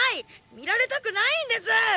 見られたくないんです！